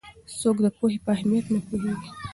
څوک د پوهې په اهمیت نه پوهېږي؟